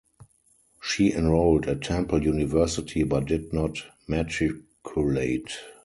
She enrolled at Temple University but did not matriculate.